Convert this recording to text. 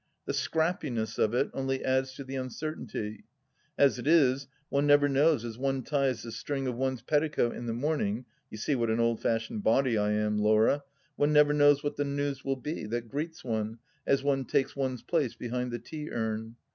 The scrappiness of it only adds to the uncertainty. As it is, one never knows as one ties the strings of one's petticoat in the morning — you see what an old fashioned body I am, Laura — one never knows what the news will be that greets one as one takes one's place behind the tea urn.